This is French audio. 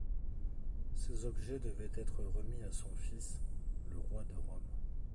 Ces objets devaient être remis à son fils, le Roi de Rome.